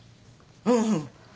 うん。